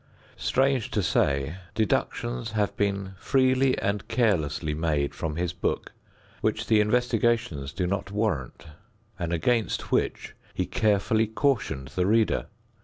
Strange to say, deductions have been freely and carelessly made from his book, which the investigations do not warrant, and against which he carefully cautioned the reader.